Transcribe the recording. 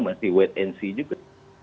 masih wait and see juga